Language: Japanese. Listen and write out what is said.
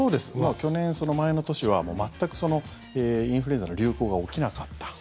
去年、その前の年はもう全くインフルエンザの流行が起きなかった。